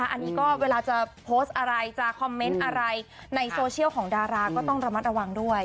อันนี้ก็เวลาจะโพสต์อะไรจะคอมเมนต์อะไรในโซเชียลของดาราก็ต้องระมัดระวังด้วย